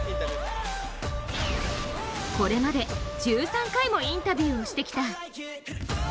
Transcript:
これまで１３回もインタビューをしてきた。